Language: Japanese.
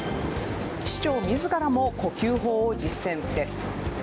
市長自らも呼吸法を実践です。